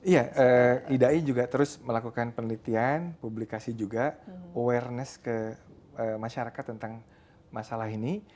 iya idai juga terus melakukan penelitian publikasi juga awareness ke masyarakat tentang masalah ini